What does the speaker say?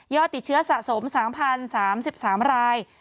ติดเชื้อสะสม๓๐๓๓ราย